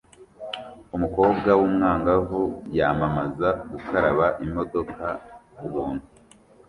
Umukobwa w'umwangavu yamamaza gukaraba imodoka kubuntu